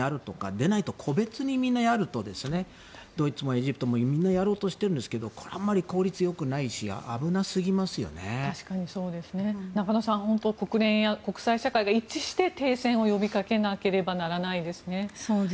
でないと、個別にみんなやるとドイツもエジプトもみんなやろうとしてるんですがこれはあまり効率がよくないし確かにそうですね。中野さん、本当に国連や国際社会が一致して停戦を呼びかけなければいけないですね。